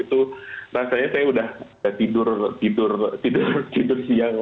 itu rasanya saya udah tidur siang